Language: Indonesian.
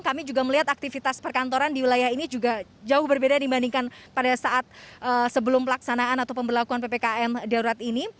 kami juga melihat aktivitas perkantoran di wilayah ini juga jauh berbeda dibandingkan pada saat sebelum pelaksanaan atau pembelakuan ppkm darurat ini